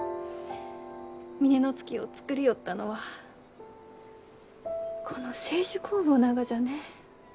峰乃月を造りよったのはこの清酒酵母ながじゃね。